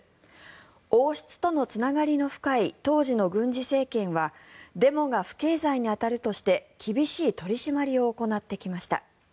王室とのつながりの深い当時の軍事政権はデモが不敬罪に当たるとして厳しい取り締まりを行ってきました。